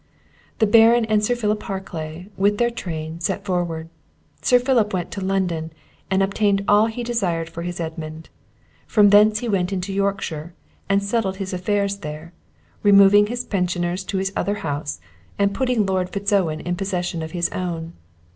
The Baron and Sir Philip Harclay, with their train, set forward. Sir Philip went to London and obtained all he desired for his Edmund; from thence he went into Yorkshire, and settled his affairs there, removing his pensioners to his other house, and putting Lord Fitz Owen in possession of his own.